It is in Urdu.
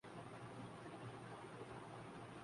آزاد عدلیہ ہو گی۔